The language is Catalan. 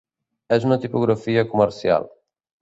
És una tipografia comercial.